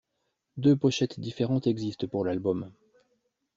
Deux pochettes différentes existent pour l'album.